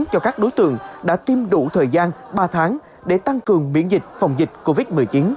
cho các đối tượng đã tiêm đủ thời gian ba tháng để tăng cường miễn dịch phòng dịch covid một mươi chín